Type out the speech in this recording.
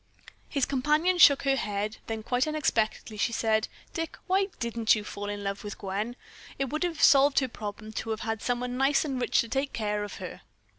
His companion shook her head; then quite unexpectedly she said: "Dick, why didn't you fall in love with Gwen? It would have solved her problem to have had someone nice and rich to take care of her."